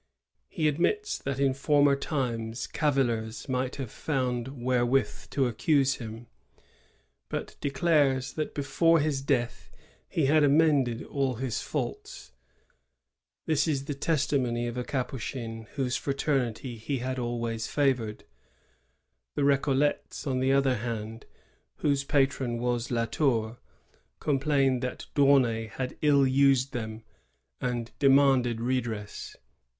He admits that in former times cavillers might have found wherewith to accuse him, but declares that before his death he had amended all his faults. This is the testimony 1 Lettrt du Rev. P, Ignace, Capuein, 6 Aouit, 1668. 1651.] LA TOUR IN FAVOR. 49 of a Capuchin, whose fraternity he had always favored. The R^coUets, on the other hand, whose patron was La Tour, complained that D'Aunay had ill used them, and demanded redress.